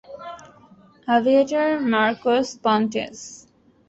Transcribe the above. Aviator Marcos Pontes.